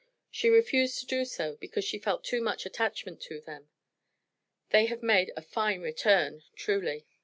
She refused to do so, because she felt too much attachment to them. They have made a fine return, truly."